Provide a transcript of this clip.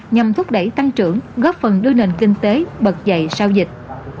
nhằm thúc đẩy tăng trưởng góp phần đưa nền kinh tế bật dậy sau dịch